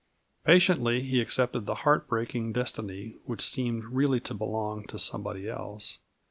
Patiently he accepted the heart breaking destiny which seemed really to belong to some one else.